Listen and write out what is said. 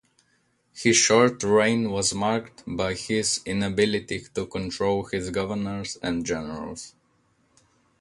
His short reign was marked by his inability to control his governors and generals.